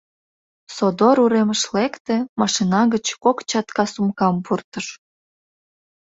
Содор уремыш лекте, машина гыч кок чатка сумкам пуртыш.